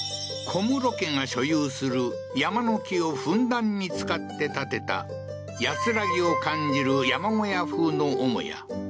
小室家が所有する山の木をふんだんに使って建てた安らぎを感じる山小屋風の母屋。